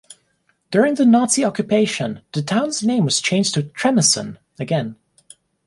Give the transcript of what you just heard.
During the Nazi occupation, the town's name was changed to "Tremessen" again.